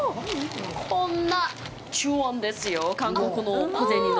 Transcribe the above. こんな１０ウォンですよ、韓国の小銭の。